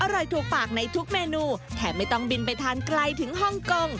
อร่อยถูกปากในทุกเมนูแถมไม่ต้องบินไปทานไกลถึงฮ่องกง